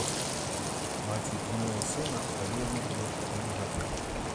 Маці кінула сына, калі яму было чатыры гады.